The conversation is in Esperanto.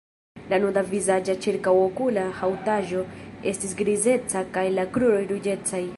La nuda vizaĝa ĉirkaŭokula haŭtaĵo estas grizeca kaj la kruroj ruĝecaj.